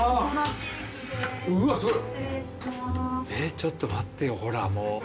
ちょっと待ってよほらもう。